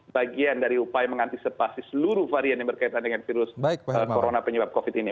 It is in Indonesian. bagian dari upaya mengantisipasi seluruh varian yang berkaitan dengan virus corona penyebab covid ini